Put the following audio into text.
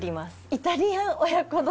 イタリアン親子丼？